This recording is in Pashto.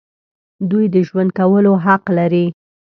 دوی د ژوند کولو حق لري.